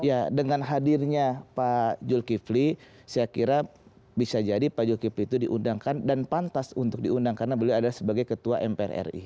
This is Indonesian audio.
ya dengan hadirnya pak zulkifli saya kira bisa jadi pak zulkifli itu diundangkan dan pantas untuk diundang karena beliau adalah sebagai ketua mpr ri